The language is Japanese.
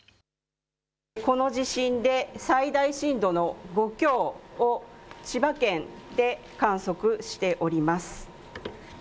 この地震で最大震度の５強を千葉県で観測しております。